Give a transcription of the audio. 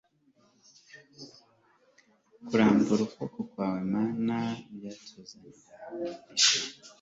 Kurambura ukuboko kwawe Mana byatuzanira umugisha